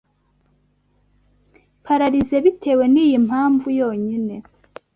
pararizi bitewe n’iyi mpamvu yonyine